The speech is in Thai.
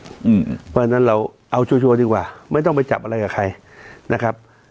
เพราะฉะนั้นเราเอาชัวร์ดีกว่าไม่ต้องไปจับอะไรกับใครนะครับ